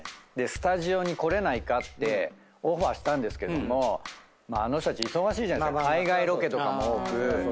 スタジオに来れないかってオファーしたんですけどもあの人たち忙しいじゃないですか海外ロケとかも多く。